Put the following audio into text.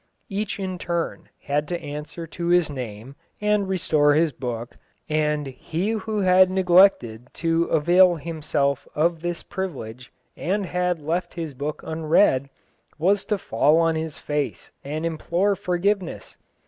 Each in turn had to answer to his name, and restore his book, and he who had neglected to avail himself of his privilege, and had left his book unread, was to fall on his face and implore forgiveness.